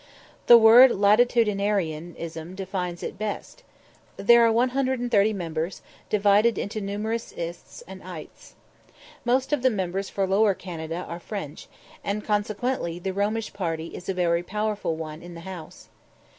The word Latitudinarianism defines it best. There are 130 members, divided into numerous "ists" and "ites." Most of the members for Lower Canada are French, and, consequently, the Romish party is a very powerful one in the House.